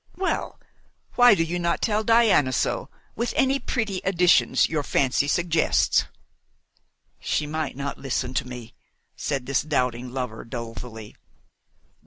Well, why do you not tell Diana so, with any pretty additions your fancy suggests?" "She might not listen to me," said this doubting lover dolefully.